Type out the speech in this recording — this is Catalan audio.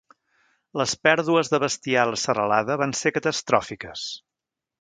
Les pèrdues de bestiar a la serralada van ser catastròfiques.